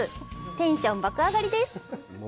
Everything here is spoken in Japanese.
テンション爆上がりです！